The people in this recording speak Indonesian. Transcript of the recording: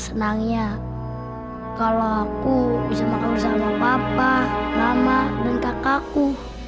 senangnya kalau aku bisa makan bersama papa mama dan kakakku